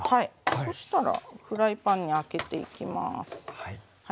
そしたらフライパンにあけていきます。